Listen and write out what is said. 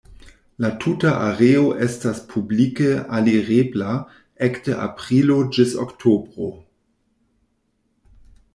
La tuta areo estas publike alirebla ekde aprilo ĝis oktobro.